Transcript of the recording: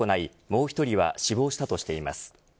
もう１人は死亡したとしています。